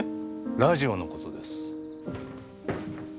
ラジオの事です。